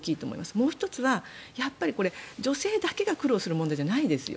もう１つは、女性だけが苦労する問題じゃないですよ。